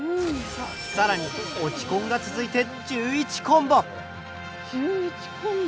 更に落ちコンが続いて１１コンボ！